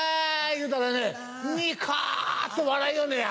言うたらねニコっと笑いよんねや。